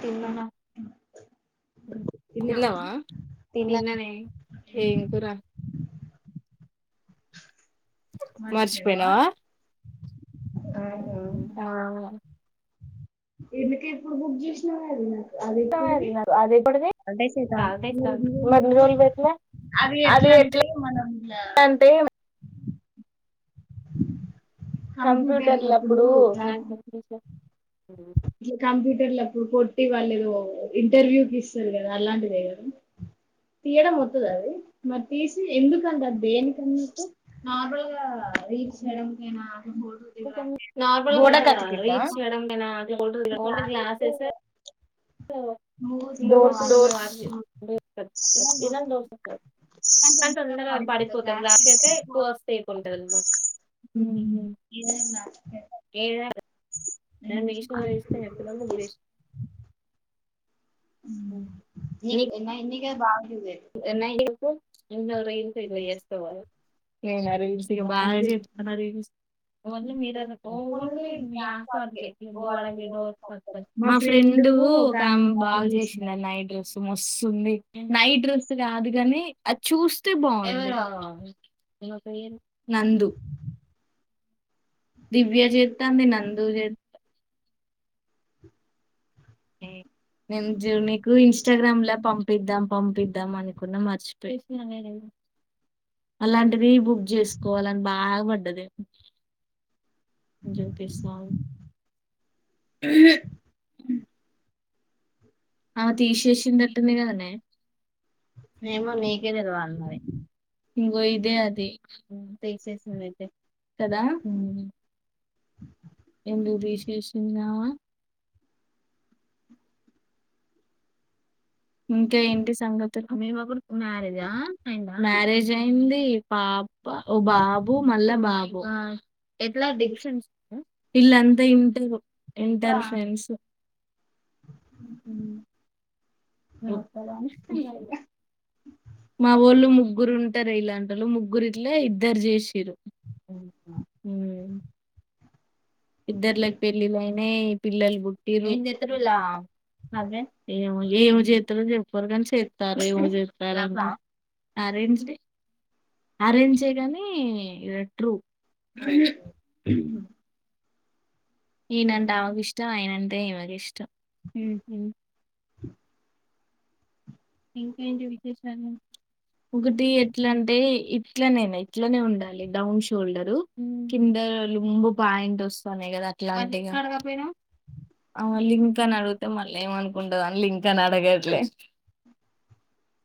తిన్న తిన్నావా తిన్ననే ఏం కూర మర్చిపోయినావా ఆవు అవును ఏందుకే ఏప్పుడు బుక్ చేసినవు అది అది ఎప్పుడుది అంటే [unintelligible] అది ఎట్లా అంటే మనం ఇట్ల కంప్యూటర్లు అప్పుడు [unintelligible] ఇగా కంప్యూటర్ ఆప్పుడు కొట్టి వాళ్ళు ఏదో ఇంటర్వ్యూకి ఇస్తారు కదా అలాంటిదే కద తీయడం వత్తది కదా అది మరి తీసి ఎందుకంటే అది దేనికన్నట్టు నార్మల్గా రీచ్ చేయడానీకైనా నార్మల్గా రీచ్ అవ్వడం మేన అఓన్లీ గ్లాసెస్ బోస్ స్ [unintelligible] హ్ ఏమైంద [unintelligible] హ్ నీకు ఎన్ని అయ్యింది గా బా ఎన్ని అయినాయి చెప్పు అయ్యో రీల్స్ గిట్ల చేస్తవ ఇంగ రీల్స్ ఇగ బాగా జెత్తన్న రీల్స్ మా ఫ్రెండ్ దు ఒక ఆమె బాగ చేసింది నైట్ డ్రస్ మస్తుంది. నైట్ కాదు గాని అది చూస్తే బాగుంది నందు దివ్య జేతంది నందు జేతా. నేను జెర్ నీకు ఇన్స్టాగ్రామ్ ల పంపిద్దాం పంపిద్దాం అనుకున్న మర్చి. అలాంటిది బుగ్ జేసుకోవాలని బాగా బడ్డది. ఉ జపిస్తామ్. [unintelligible] ఆ తీశేషి నట్టు ఉండేగద. ఏమో నీకే తెలువల్నే. ఇగో ఇదే అది. కదా ఎందుకు తీసేసిందామా. ఇంకా ఏంటి సంగతులు. మ్యారేజ్ అయింది పాప ఓ బాబు మళ్ళా బాబు. ఆ. ఎట్లా డిపశేన్స్ ఉ ఇళ్ళంతా ఇంటర్వో ఇంటర్ ఫ్రెండ్స్. [inaudible] మా వోళ్ళు ముగ్గురు ఉంటారె ఇలా. అందులో ముగ్గురిట్లే ఇద్దరు జేషింర్రు ఉమ్ ఇద్దర్లుకు పెళ్లిళ్లయినయ్ పిల్లలు బుట్టిర్రు. ఏమో ఎం జేత్తారో జెప్పారు గాని చెత్తర్రు ఏమో జేత్తర్రు. అరేంజ్ డే అరేంజే గానీ ఇగ ట్రూ. అయ్యో. ఈనంటే ఆమెకిష్టం ఆయనంటే ఇమకిష్టం ఉమ్. హ ఇంకా ఎం జాబ్ చేస్తారుమీరు గుడ్డి ఎట్లా అంటే ఇది. ఇట్లనేనా ఇట్లనే ఉండాలి డౌన్ షోల్డరు. కింద లుంబు పాయింట్ ఓస్తానే గదా క్లారిటీగా. ఆ లింక్ అని అడుగుతే మళ్ళ ఏమనుకుంటదో అని లింక్ అని అడగట్లే.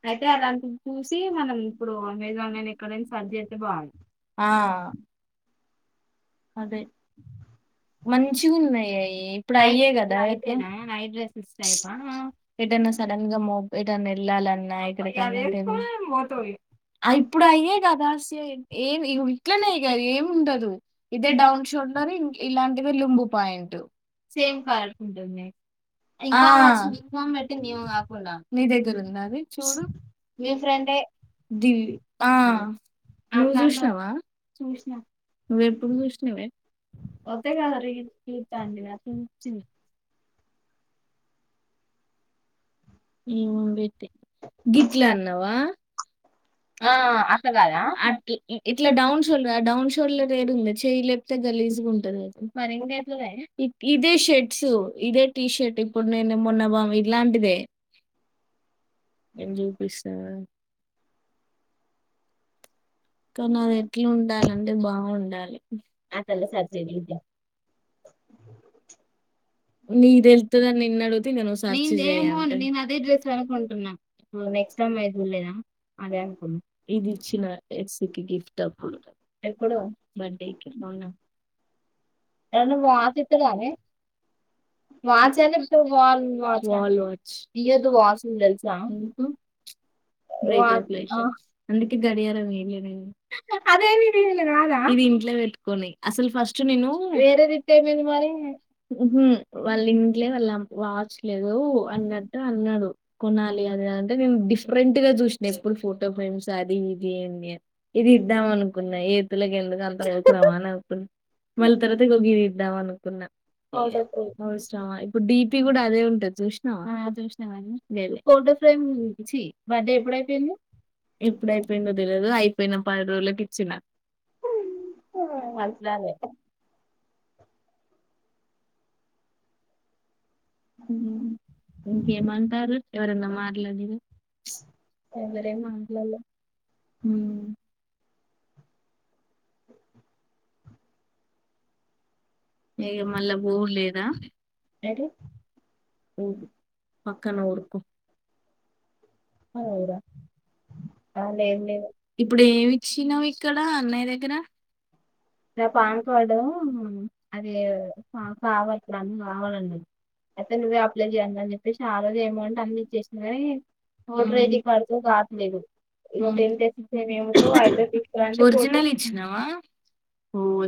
అయితే అది అలాసి మనం ఇంటికి పోవాలే ఇగ ఇక్కడేం పోవాలే. ఆ. అదే. మంచిగున్నాయే అయి ఇప్పుడు అయ్యే గదా అయితే పెద్దన్న. సడన్ గా మో బ్ ఎటన్న ఏళ్ళాలన్నా ఇక్కడ కన్నా టే. అయి ఇప్పుడు అయ్యే కదా సే ఏన్ది ఇగో ఇట్లనే ఇగ ఏమ్ ఉండదు ఇదే డౌన్ షో. మరి ఇలాంటివే లుంబు పాయింటు సేమ్ కలర్ ఉంటుంది. ఆ నీ దగ్గర ఉంది అది చూడు. నీ ఫ్రెండే దివి ఆ. ఆమెన్ జూషినవా నువేప్పుడు జూషినవే. ఒత్తేగాద రిల్ చుత్తన్ ది గదా ఉమ్ చూడు. గిట్లా అన్నావా. ఆ అట్లా గాద అ ట్ల ఇ ఇట్లా డౌన్ షోల్డర్ డౌన్ షోల్డర్ ఏడుంది చెయ్యి లేపితే గ. గలీజ్ గుంటది నీకు మరి ఇంకెట్లనే ఇదే శెట్సు ఇదే టీషర్ట్. ఇప్పుడు నన్న మొన్న బామ్ ఇలాంటిదే. నేన్ జూపిస్తా జూడు. కానీ నా దేట్లుండాలంటే బాగుండాలి. అతలా సరిచేసి చూడు. నీ దేలుత్తదని నిన్న అడుగుతే నాకోస్తాద. అదే డ్రెస్ అనుకుంటున్నా ఇప్పుడు నెక్స్ట్ నెక్స్ట్ టైం చూడలేదా అదే అనుకు ఇదిచ్చిన ఎక్స్ కి గిఫ్ట్ అప్పుడుతది ఎప్పుడు అవునా ఏదనా వాపొత్తదానే వాచ్ అంటే ఇప్పుడు వాల్ వాక్ వాల్ చ్ ఇయ్యద్దువాల్స్ మీద తెలుసునా బ్రేక్ అందుకే గడియారం ఏం లేదు వె శోభ ఇంట్లో పెట్టుకని అసలు ఫస్ట్ నేను హ వాళ్ళ ఇంట్లే వాళ్ళ వాచ్ లేదు అన్నట్టు అన్నాడు కొనాలి అదింటే నేను డిఫరెంట్ గా చూసిన ఎప్పుడు ఫోటో ఫేమ్స్ అది ఇది ఏంది అని ఇది ఇద్దాం అనుకున్న ఏతులకు ఎందుకు రవాణప్పు మళ్ళ తర్వాత ఇక గీది ఇద్దాం అనుకున్నా పౌడకు అవసరం ఇప్పుడు డిపీ కూడా అదే ఉంటది చూసినవా లే ఫోర్డ ఫ్రైమ్ చి బర్డే ఎప్పుడయిపోయింది ఎప్పుడయిపోయిందో తెలియదు అయిపోయిన పది రోజులకి చిన్న అంటాంది ఇంకేమంటారు ఎవరన్నా మాట్లాడి రా అందర ఏం మాట్లాడిన ఆ ఏ ఇక మళ్ళా బోవుడు లేదా ఓ పక్కన ఓడుపో అవురా అ ఏం లేదు ఇప్పుడు ఏమి ఇచ్చినావు ఇక్కడ అన్నయ్య దగ్గర ఇ పాంపవడం అది కావాలి పా ఇప్పుడు కావాలండి అయితే నువ్వే అప్లై చేయ్యాలడి అని చెప్పే ఆ రోజు ఏమౌంట్ అందిచ్చేసిన కానీ హోడ రైది ఖర్చం కావట్లేదు ఒరిజినల్ ఇచ్చినవా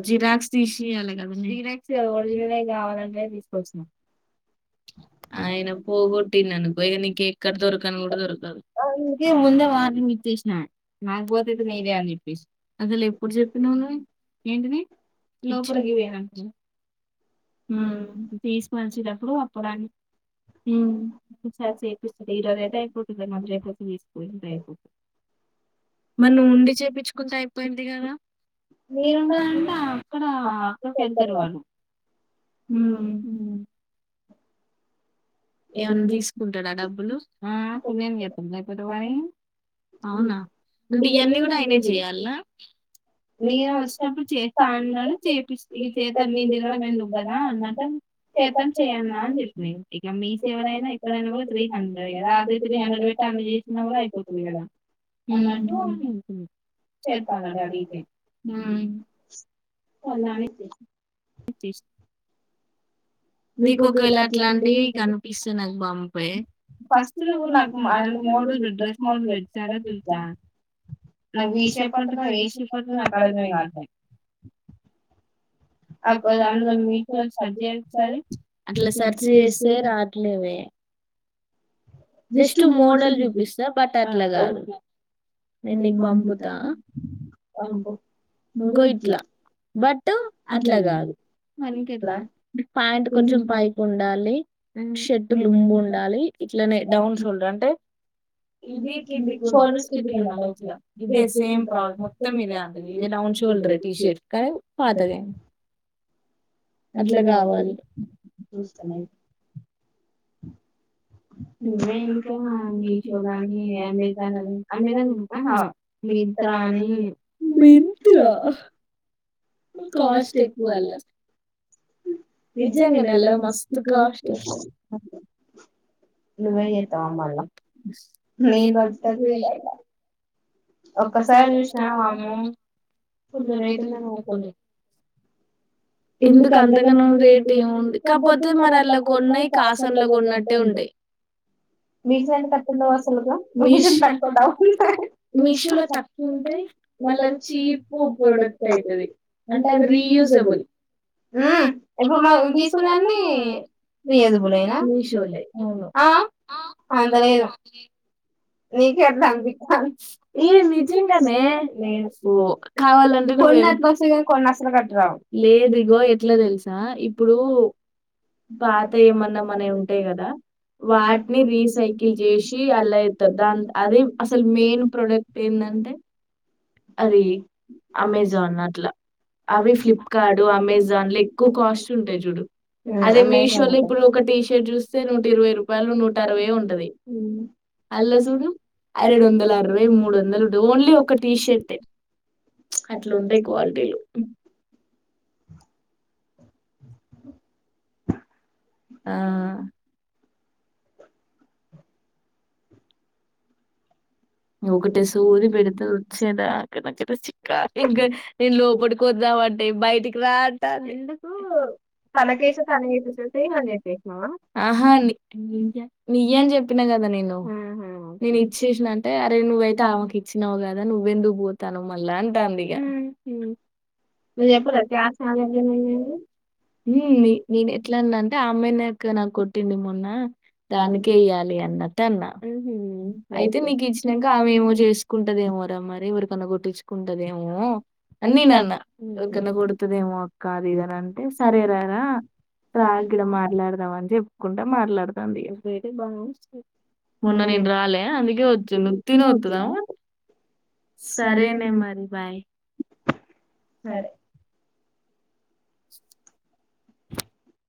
జిరాక్స్ తీసిఅన్నకదా ఇవ్వలేక తెలవదు వాళ్లకే గుర్తొచ్చింది ఆయన పోగొట్టిండు అనుకో ఇక నీక ఎక్కడ దొరకని కూడా దొరకదు సిన నాకపోతే అతే నేదే అని చెప్పేసి అసలు ఎప్పుడు చెప్పినవ్ నువ్వు ఏంటిది లోపలికి వేనాంట ఆ తీసుకోలిసేటప్పుడు అప్పుడాన్ని సచ్ అయిపిస్తుంది ఈరోజు అయితే అయిపోతుంది మళ్లీ రేపు వచ్చి తీసుసిపోయి అయిపోతుంది ఆ మరి నువ్వు ఉండి చేయిపిచ్చుకుంటే అయిపోయింది కదా మీరున్ననంటే అక్కడ అక్కడికి వెళ్తారు వాళ్ళు ఉ హ ఏమన్నా తీసుకుంటాడా డబ్బులు అవునా అంటే ఈ అన్ని కూడా ఆయనే చేయాల నేను వచ్చినప్పుడు చేస్తా అన్నాడు చేపిస్ ఈ చేత నేను తిరగడం ఎందుకు కాదా అన్నట్టు చేతాం చెయ్యన్నాని చెప్పిన ఇక మీ ఈస్ట్ ఎవరైనా ఎక్కడైనా కూడా త్రీ హండ్రెడ్ కదా అదే త్రీ హండ్రెడ్ పెట్టి అన్ని చేసినా కూడా అయిపోతుంది కదా మల్ల నువ్వు చెప్పాలని అడిగితే ఉ చల్లానిత్తి పచ్చిస్ నీకు ఒకవేళ అట్లాంటివి కనిపిస్తే నాకు పంపి ఫస్ట్ ఊర్లకు [unintelligible] [unintelligible] అక్క అందులో మీషో వస్తది అది వస్తది అట్లా సర్చ్ చేస్తే రావట్లేవే జస్ట్ మోడల్ చూపిస్తా బట్ ఆట్లా కాదు నేను నీకు పంపుతా ఇంకో ఇట్లా బట్ అట్లా కాదు ప్యాంట్ కొంచెం పైకి ఉండాలి షర్ట్ లుంబు ఉండాలి ఇట్లనే డౌన్ షోల్డర్ అంటే ఆ ఇదే సేమ్ ప్రాబ్ల మొత్తం ఇదే అంటది ఇదే down shoulder T shirt కానీ పాతదే అట్లా కావాలి చూస్తినీ నువ్వే ఇంకా మీషో గానీ అమెజాన్ ఆని అమెజాన్ ఇంకా మింత్రా అనీ మింత్రా కాస్ట్ ఎక్కువ వాడలేము నిజంగానే ఎలా మస్త్ కాస్ట్ నువ్వు ఏం చెత్తన్నావ్ మళ్ళా ఒక్కసారి చూసినా అమ్ము పుల్ రేటుందని ఉకున్నా ఎందుకు అంతగానం రేటుంది కాకపోతే మరి అలా కొన్నాయి కాసం లో కొన్నట్టు ఉంటాయి [unintelligible] మీషోలో తక్కువ ఉంటాయి మళ్ళా చీప్ ప్రొడక్ట్ అయితాయి అంటే అది రీయూజుబుల్ ఆ ఇప్పుడు మళ్ళీ తీసుకున్న వన్ని రియూజ్బుల్ ఏనా మీ షో లోనా ఆ అంత లేదు నీకే అట్లా అనిపిస్తంది ఈ నిజుంగానే నేను నువ్వు కావాలంటే కొన్ని ఆట్లా వస్తాయ్ కొన్ని అసలుకు అట్టరావ్ లేదు [inaudible] ఇప్పుడు పాతవి ఏమన్నా మనవి ఉంటాయి కదా వాటిని రీసైకిల్ చేసి అల్లో పెట్ ద దానీ అది అసలు మెయిన్ ప్రోడక్ట్ ఎందండి అది అమెజాన్ ఆట్ల అవి ఫ్లిప్ వాడు అమెజాన్ లో ఎక్కువ కాస్ట్ ఉంటది చూడు అదే మీషో ఎక్కు ఒక టీర్ట్ చూస్తే నూట ఇరవై రూపాయలు నూట అరవయో ఉంటది ఊ అల్లో చూడు అరూ ఏడు వందల అరవై మూడు వందలు ఇరవై ఉంది ఒక పీస్ షర్ట్ అట్లుంటాయి క్వాలిటీవి ఆవును ఒకటి సూది పెడితే వచ్చేదా అక్క చిక్క ఇంకా నేను లోపలికి వద్దామ అంటే బయటికి రా అంటాంది ఎందుకు ఆహా నియ్యి అని చెప్పిన కదా నేను నేను ఇచ్చేసినంటే అరే నువ్వ అయితే ఆమెకు ఇచ్చినావు కదా నువ్వెందుకు పో తన్నావ్ మళ్ళా అంటాంది ఇగా ఉహు నువ్ చెప్ప [unintelligible] నెన్ ఎట్లా అనంటే అమ్మె నాక నాకు కొటింది మొన్న దానికేయ్యాలి అన్నట్ అన్న అయితే మీకు ఇచ్చినాక ఆమెమో చేసుకుంటు మో ర మరి ఊరికన్నా కొట్టించుకుంటదేమో అని నేన అన్న ఎవరికన్నా కొడుతుదేమో అక్కదిదని అంటే సరే రారా త్రాగిడ మాట్లాడదాం అని చెప్పుకుంట మాట్లాడదా అ బా మొన్న నెన్ రాలే అందుకే వచ్చు ను [unintelligible] సరేం అండి సరే